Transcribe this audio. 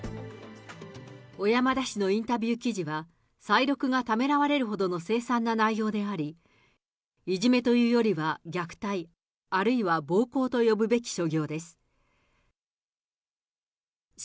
小山田氏のインタビュー記事は、がためらわれるほどの凄惨な内容であり、いじめというよりは虐待、あるいは暴行と呼ぶべき所業です。